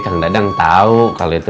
jangan memikirkan imzon